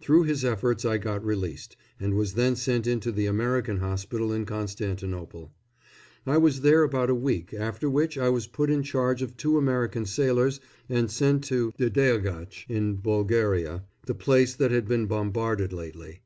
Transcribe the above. Through his efforts I got released, and was then sent into the American Hospital in Constantinople. I was there about a week, after which I was put in charge of two American sailors and sent to Dedeagatch, in Bulgaria, the place that has been bombarded lately.